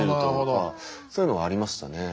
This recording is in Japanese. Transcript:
そういうのはありましたね。